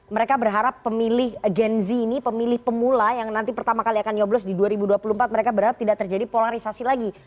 mereka berharap pemilih gen z ini pemilih pemula yang nanti pertama kali akan nyoblos di dua ribu dua puluh empat mereka berharap tidak terjadi polarisasi lagi